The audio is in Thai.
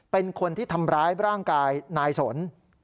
เป็นคนที่ทำร้ายร่างกายนายสน